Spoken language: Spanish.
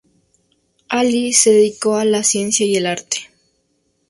Allí, se dedicó a la ciencia y el arte.